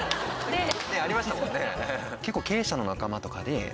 ありましたもんね。